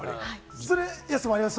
安さんもあります？